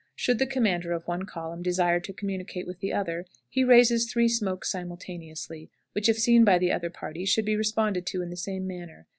Should the commander of one column desire to communicate with the other, he raises three smokes simultaneously, which, if seen by the other party, should be responded to in the same manner.